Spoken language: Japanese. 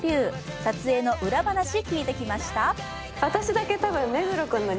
撮影の裏話聞いてきました。